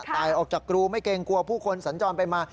ตายออกจากกรูไม่เกรงกลัวผู้คนสัญจรไปมา